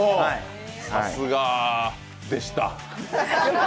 さすがでした。